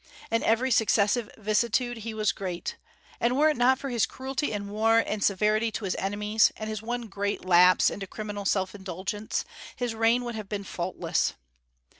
In every successive vicissitude he was great; and were it not for his cruelty in war and severity to his enemies, and his one great lapse into criminal self indulgence, his reign would have been faultless.